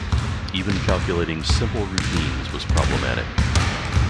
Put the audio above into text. Even calculating simple routines was problematic.